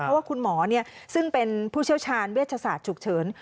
เพราะว่าคุณหมอซึ่งเป็นผู้เชี่ยวชาญเวชศาสตร์ฉุกเฉิน